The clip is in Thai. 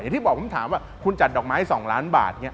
ที่บอกผมถามว่าคุณจัดดอกไม้๒ล้านบาท